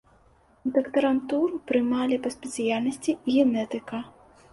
У дактарантуру прымалі па спецыяльнасці генетыка.